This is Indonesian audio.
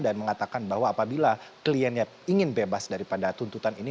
dan mengatakan bahwa apabila kliennya ingin bebas daripada tuntutan ini